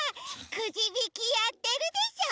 くじびきやってるでしょ。